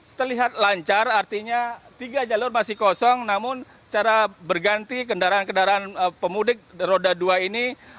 ini terlihat lancar artinya tiga jalur masih kosong namun secara berganti kendaraan kendaraan pemudik roda dua ini